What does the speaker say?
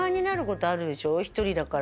１人だから。